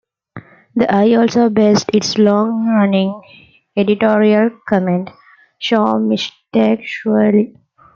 The "Eye" also based its long-running editorial comment, "Shome mishtake shurely?